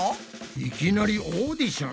いきなりオーディション？